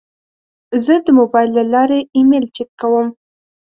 زه د موبایل له لارې ایمیل چک کوم.